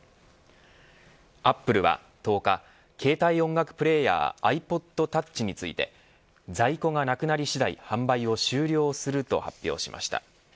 アップルは１０日携帯音楽プレーヤーｉＰｏｄｔｏｕｃｈについて在庫がなくなり次第販売を終了すると発表しました。